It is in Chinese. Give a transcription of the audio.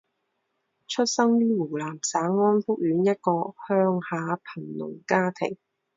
出生于湖南省安福县一个乡下贫农家庭。